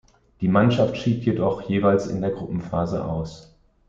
Die Mannschaft schied jedoch jeweils in der Gruppenphase aus.